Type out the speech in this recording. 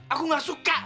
aku gak suka